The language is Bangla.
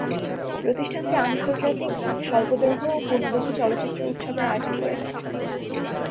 প্রতিষ্ঠানটি আন্তর্জাতিক স্বল্পদৈর্ঘ্য ও পূর্ণদৈর্ঘ্য চলচ্চিত্র উৎসবের আয়োজন করে থাকে।